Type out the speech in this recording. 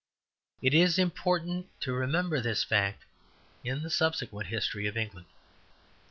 It is important to remember this fact in the subsequent history of England.